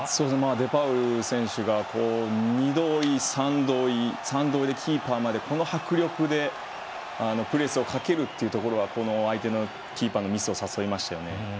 デパウル選手が２度追い、３度追いでキーパーまで、この迫力でプレスをかけるところは相手のキーパーのミスを誘いましたね。